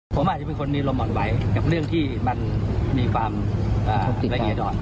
ผมอาจจะเป็นคนมีลมหว่อนไหวกับเรื่องที่มันมีความละเอียดอด